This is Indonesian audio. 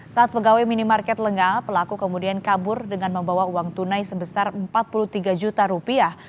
saat pegawai minimarket lengah pelaku kemudian kabur dengan membawa uang tunai sebesar empat puluh tiga juta rupiah